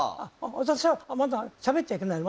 私はまだしゃべっちゃいけないの？